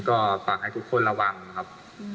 ก็ฝากให้ทุกคนระวังนะครับ